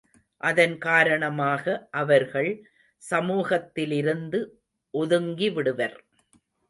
அதன் காரணமாக அவர்கள் சமூகத்திலிருந்து ஒதுங்கிவிடுவர்.